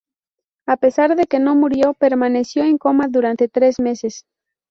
A pesar de que no murió, permaneció en coma durante tres meses.